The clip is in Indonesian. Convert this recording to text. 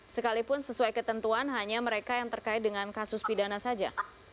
sekalipun sesuai ketentuan hanya mereka yang terkait dengan kasus pidana saja